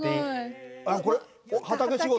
あこれ畑仕事？